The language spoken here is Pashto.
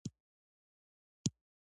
نه دوستان سته چي یې ورکړي یو جواب د اسوېلیو